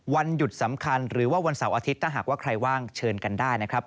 วันหยุดสำคัญหรือว่าวันเสาร์อาทิตย์ถ้าหากว่าใครว่างเชิญกันได้นะครับ